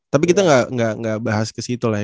tapi kita nggak bahas ke situ lah ya